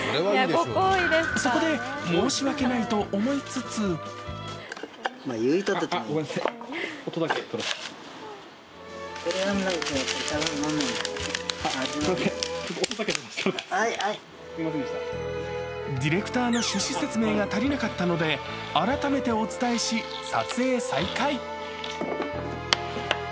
そこで、申し訳ないと思いつつディレクターの趣旨説明が足りなかったので改めてお伝えし、撮影再開。